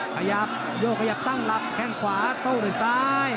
ขยับโยกขยับตั้งหลักแข้งขวาโต้ด้วยซ้าย